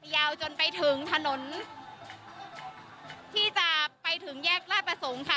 ยาวจนไปถึงถนนที่จะไปถึงแยกราชประสงค์ค่ะ